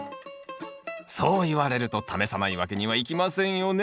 そう言われると試さないわけにはいきませんよね